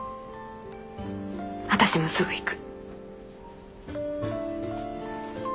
私もすぐ行く。